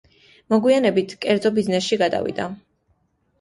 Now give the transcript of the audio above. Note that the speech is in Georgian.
მოგვიანებით, კერძო ბიზნესში გადავიდა.